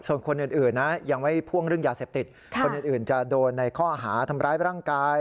ส่วนคนอื่นนะยังไม่พ่วงเรื่องยาเสพติดคนอื่นจะโดนในข้อหาทำร้ายร่างกาย